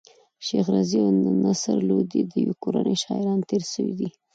شېخ رضي او نصر لودي د ېوې کورنۍ شاعران تېر سوي دي.